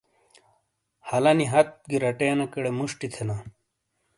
ہَلانی ہت گی رٹینیکیڑے مُشٹی تھینا۔